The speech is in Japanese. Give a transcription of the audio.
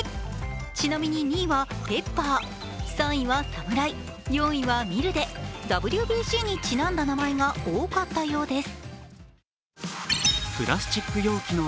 ちなみに、２位はペッパー、３位はサムライ、４位はミルでＷＢＣにちなんだ名前が多かったようです。